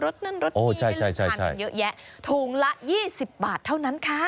รสนั่นรสมีโอ้ใช่ใช่ใช่ใช่ทานกันเยอะแยะถูงละยี่สิบบาทเท่านั้นค่ะ